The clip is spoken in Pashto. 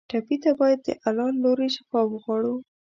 ټپي ته باید د الله له لورې شفا وغواړو.